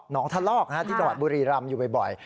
หนองทะลอกที่ตรวจบุรีรำอยู่บ่อย